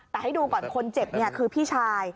แต่ให้ดูก่อนคนเจ็บคือพี่ชาย